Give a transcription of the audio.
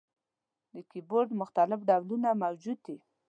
د کیبورډ مختلف ډولونه موجود دي.